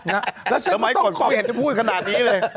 นะแล้วฉันต้องแล้วไม่ก่อนพี่แห่งจะพูดขนาดนี้เลย